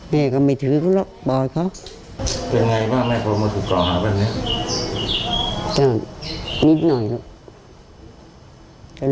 แม่ก็ไม่ถือกับเขาหล่ะบอกเขา